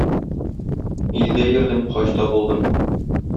Илдә йөрдем, хаҗда булдым